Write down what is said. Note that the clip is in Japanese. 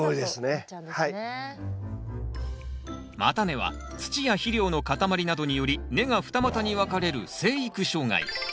叉根は土や肥料の塊などにより根が二股に分かれる生育障害。